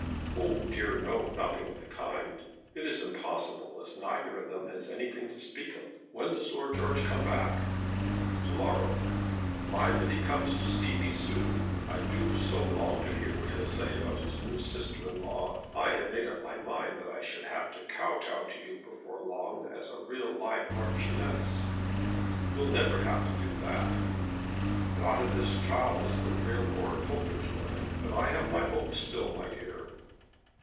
"Oh, dear no; nothing of the kind. It is impossible, as neither of them has anything to speak of. When does Lord George come back?" "To morrow." "Mind that he comes to see me soon. I do so long to hear what he'll say about his new sister in law. I had made up my mind that I should have to koto to you before long as a real live marchioness." "You'll never have to do that." "Not if this child is a real Lord Popenjoy. But I have my hopes still, my dear."